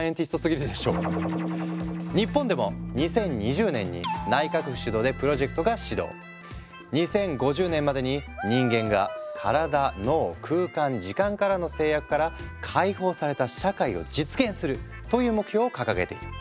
日本でも２０２０年に２０５０年までに人間が身体脳空間時間からの制約から解放された社会を実現するという目標を掲げている。